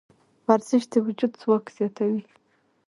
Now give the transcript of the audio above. ورزش د وجود ځواک زیاتوي.